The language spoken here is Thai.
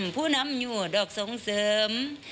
ผู้นำอยู่ดอกส่งเสริม